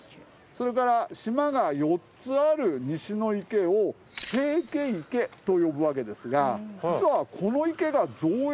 それから島が４つある西の池を平家池と呼ぶわけですが実は。